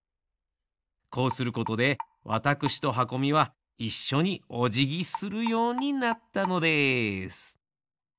こうすることでわたくしとはこみはいっしょにおじぎするようになったのです。